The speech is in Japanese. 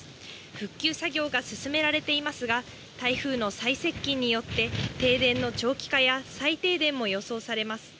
復旧作業が進められていますが、台風の再接近によって、停電の長期化や再停電も予想されます。